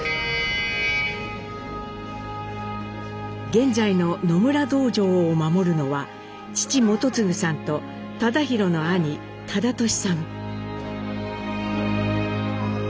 現在の野村道場を守るのは父基次さんと忠宏の兄忠寿さん。